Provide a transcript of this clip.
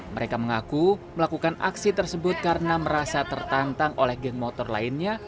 mereka mengaku melakukan aksi tersebut karena merasa tertantang oleh geng motor lainnya